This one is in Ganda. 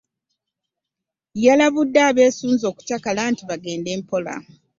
Yalabudde abeesunze okukyakala nti bagende mpola.